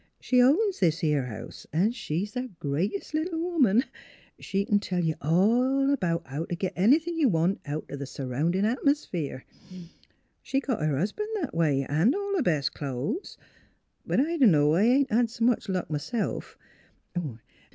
She owns this 'ere house, an' she's th' greatest little woman she c'n tell you all about how t' git anythin' you want out th' surroundin' atmosphere. She got her husban' that a way 'n' all her best clo'es. But I don' know; I ain't had s' much luck, myself.